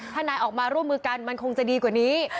ถ้านายออกมาร่วมมือกันมันคงจะดีกว่านี้